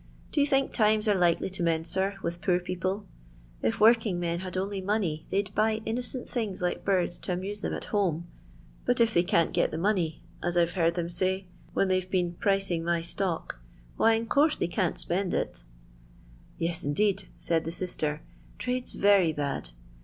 Do you think times are likely to mend, sir, with poor people 1 If work ing men had only money, they 'd bay innoee&l things like birds to amuse them at home ; but if they can't get the money, as I 've heard them My when they 've been pricing my stock, why ia course they can't spend it" " Yes, indeed," said the sister, '< trade *s v«y bad.